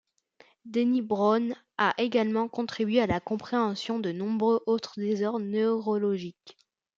Denny-Brown a également contribué à la compréhension de nombreux autres désordres neurologiques.